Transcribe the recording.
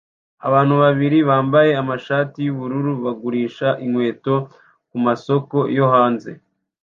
Abantu babiri bambaye amashati yubururu bagurisha inkweto kumasoko yo hanze